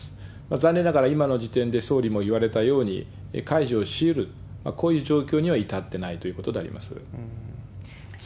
残念ながら今の時点で、総理も言われたように、解除をしうる、こういう状況には至っていないということであります。